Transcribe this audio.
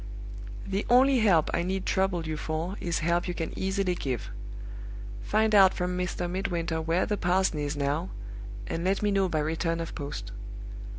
"The only help I need trouble you for is help you can easily give. Find out from Mr. Midwinter where the parson is now, and let me know by return of post.